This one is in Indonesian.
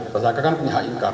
tersangka kan punya ingkar